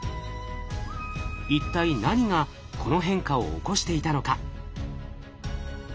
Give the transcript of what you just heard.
一体何がこの変化を起こしていたのか。